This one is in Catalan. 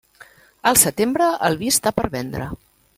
Al setembre, el vi està per vendre.